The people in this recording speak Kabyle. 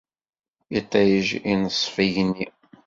Iṭij ineṣṣef igenni.